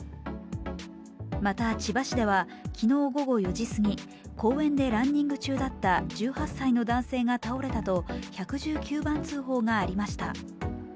また、千葉市では、昨日午後４時すぎ公園でランニング中だった１８歳の男性が倒れたと１１９番通報がありました。